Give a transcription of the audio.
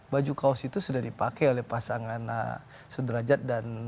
baju kaos itu sudah dipakai oleh pasangan sudrajat dan